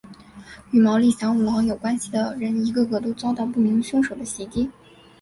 与毛利小五郎有关系的人一个个都遭到不明凶手的袭击。